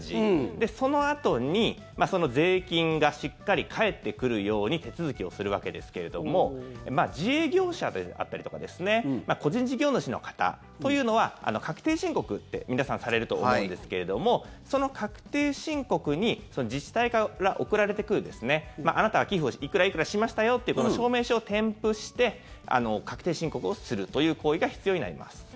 で、そのあとに税金がしっかり返ってくるように手続きをするわけですけれども自営業者であったりとか個人事業主の方というのは確定申告って皆さんされると思うんですけれどもその確定申告に自治体から送られてくるあなたは寄付をいくらいくらしましたよっていう証明書を添付して確定申告をするという行為が必要になります。